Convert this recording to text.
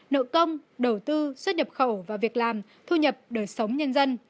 nợ công đầu tư xuất nhập khẩu và việc làm thu nhập đời sống nhân dân